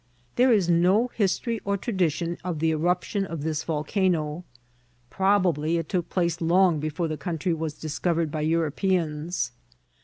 * There is no history or tradition of the eruption of this volcano ; probably it took place long before the country was discovered by Europeans.